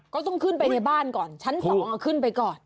ก็ต้องขึ้นไปในบ้านก่อนชั้น๒เอาขึ้นไปก่อน